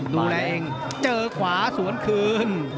ดูแลเองเจอขวาสวนคืน